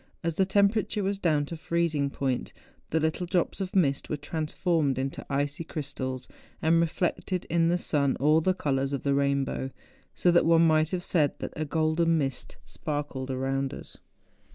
As the temperature was down to freezing point, the little drops of mist were transformed into icy crystals, and reflected in the sun all the colours of the rain¬ bow ; so that one might have said that a golden mist sparkled around us.